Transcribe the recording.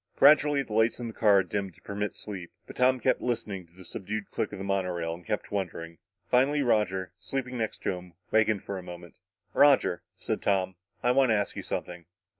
Gradually, the lights in the cars dimmed to permit sleep. But Tom kept listening to the subdued click of the monorail and kept wondering. Finally Roger, sleeping next to him, wakened for a moment. "Roger," said Tom, "I want to ask you something."